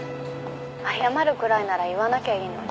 謝るくらいなら言わなきゃいいのに。